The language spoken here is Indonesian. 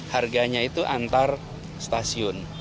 harganya itu antar stasiun